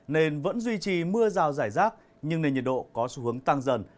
nên vẫn duy trì mưa rào rải rác nhưng nền nhiệt độ có xu hướng tăng dần